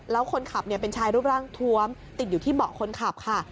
แล้วคนขับเป็นชายรูปร่างทวมติดอยู่ที่เบาะคนขับค่ะ